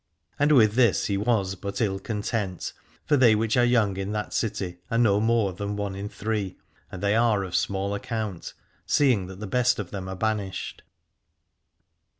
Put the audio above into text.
And with this he was but ill content, for they which are young in that city are no more than one in three, and they are of small account, seeing that the best of them are banished.